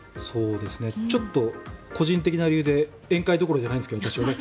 ちょっと個人的な理由で宴会どころじゃないんですけどね